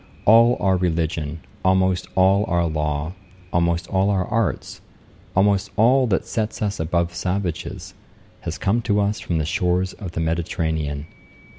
All our religion, almost all our law, almost all our arts, almost all that sets us above savages, has come to us from the shores of the Mediterranean.'